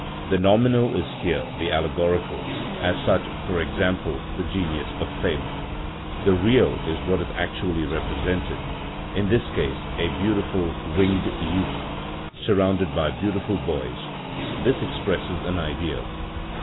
The nominal is here the allegorical as such, for example, the "Genius of Fame." The real is what is actually represented, in this case a beautiful winged youth, surrounded by beautiful boys; this expresses an Idea.